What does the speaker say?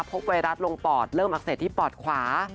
ไวรัสลงปอดเริ่มอักเสบที่ปอดขวา